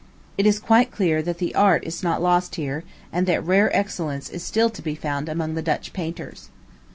It is quite clear that the art is not lost here, and that rare excellence is still to be found among the Dutch painters.